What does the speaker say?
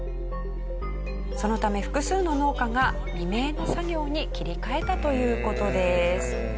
そのため複数の農家が未明の作業に切り替えたという事です。